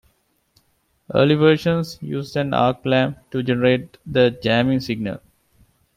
Early versions used an arc lamp to generate the jamming signal.